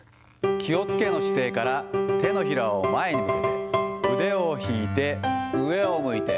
気をつけの姿勢から手のひらを前に向けて、腕を引いて、上を向いて。